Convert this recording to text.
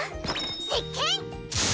せっけん！